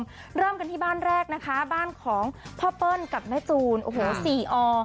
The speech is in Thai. คุณพี่แม่เราเปิ้ลกันที่บ้านแรกนะคะบ้านของพ่อเปิ้ลกับแม่จูนโอ้โห๔อ